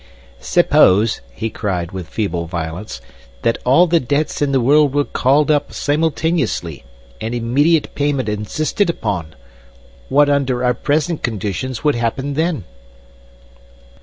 "Suppose," he cried with feeble violence, "that all the debts in the world were called up simultaneously, and immediate payment insisted upon, what under our present conditions would happen then?"